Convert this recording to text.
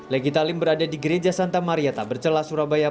legitalim berada di gereja santa maria tidak bercela surabaya